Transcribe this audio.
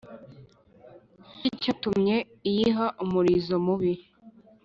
Niki cyatumye iyiha umurizo mubi